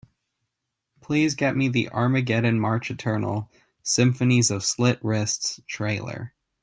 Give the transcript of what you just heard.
Please get me the Armageddon March Eternal – Symphonies of Slit Wrists trailer.